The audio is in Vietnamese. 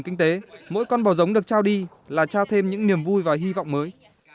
để phát triển kinh tế mỗi con bò giống được trao đi là trao thêm những niềm vui và hy vọng mới